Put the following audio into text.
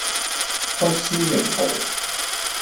開書名號